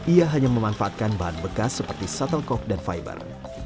ia hanya memanfaatkan bahan bekas seperti shuttlecock dan fiber